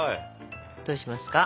どうしますか？